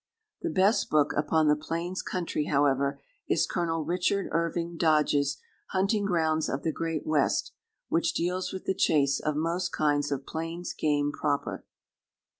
The best book upon the plains country, however, is Colonel Richard Irving Dodge's "Hunting Grounds of the Great West," which deals with the chase of most kinds of plains game proper.